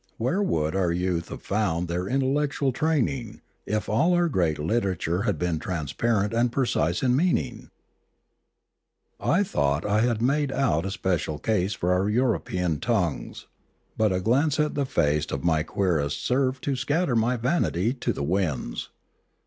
Where would our youth have found their intellectual training, if all our great litera ture had been transparent and precise in meaning ? I thought I had made out a splendid case for our European tongues. But a glance at the face of my querist served to scatter my vanity to the winds.